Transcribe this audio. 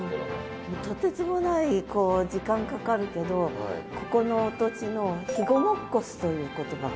とてつもない時間かかるけどここの土地の「肥後もっこす」という言葉があって。